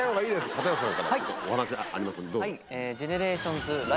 片寄さんからお話ありますよねどうぞ。